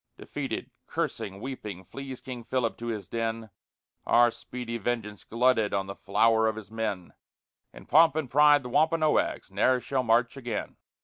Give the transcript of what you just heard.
Defeated, cursing, weeping, flees King Philip to his den, Our speedy vengeance glutted on the flower of his men; In pomp and pride the Wampanoags ne'er shall march again.